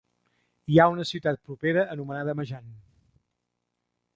Hi ha una ciutat propera anomenada Majan.